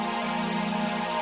aku penting kebaikan sake lu